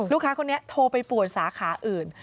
ลูกค้าคนนี้โทรไปป่วนสาขาอื่น